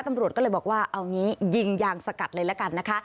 ตำรวจก็เลยบอกว่าเอางี้ยิงยางสกัดเลยละกันนะคะ